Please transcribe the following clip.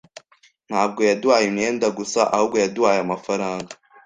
Ntabwo yaduhaye imyenda gusa ahubwo yaduhaye amafaranga.